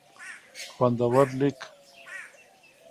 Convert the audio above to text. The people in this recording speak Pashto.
خوندور لیک